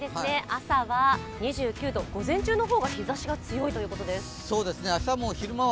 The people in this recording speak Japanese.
朝は２９度、午前中の方が日ざしが強いということです。